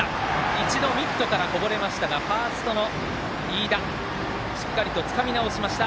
一度ミットからこぼれましたがファーストの飯田、しっかりとつかみなおしました。